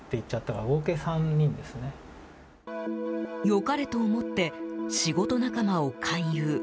良かれと思って仕事仲間を勧誘。